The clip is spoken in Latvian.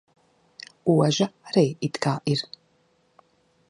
Oža arī it kā ir.